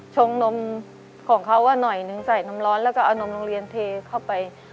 ชงนมของเขาว่าหน่อยนึงใส่น้ำร้อนแล้วก็เอานมโรงเรียนเทเข้าไป